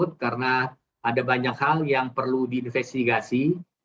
dan mengatakan bahwa ada banyak hal yang perlu diinvestigasi